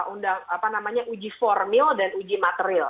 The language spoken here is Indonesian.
undang apa namanya uji formil dan uji material